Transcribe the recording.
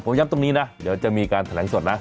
ผมย้ำตรงนี้นะเดี๋ยวจะมีการแถลงสดนะ